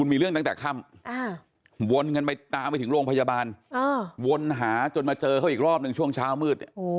อีกรอบหนึ่งช่วงเช้ามืด